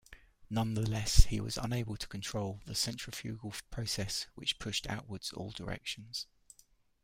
Nonetheless, he was unable to control the centrifugal process which pushed outwards all directions.